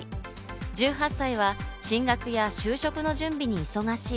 １８歳は進学や就職の準備に忙しい。